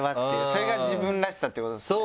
それが自分らしさっていうことですね。